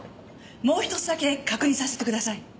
もう１つだけ確認させてください。